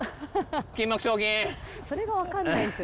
それがわかんないですよ。